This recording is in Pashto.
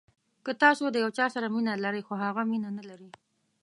که تاسو د یو چا سره مینه لرئ خو هغه مینه نلري.